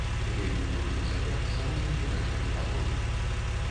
Вельмі любіў займацца рознымі рэчамі па доме.